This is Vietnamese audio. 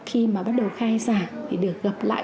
khi mà bắt đầu khai giảng thì được gặp lại